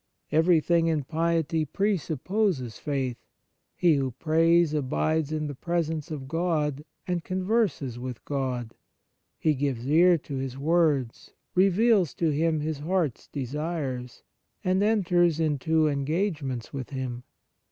Everything in piety presupposes faith. He who prays abides in the presence of God, and converses with God ; he gives ear to His words, reveals to Him his heart's desires, and enters into engagements with Him.